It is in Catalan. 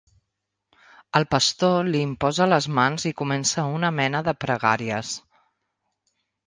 El pastor li imposa les mans i comença una mena de pregàries.